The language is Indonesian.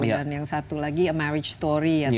dan yang satu lagi a marriage story